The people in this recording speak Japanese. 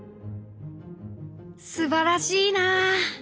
「すばらしいなあ」。